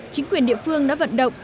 chính quyền địa phương đã vận động